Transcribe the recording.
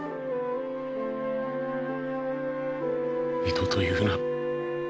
二度と言うな。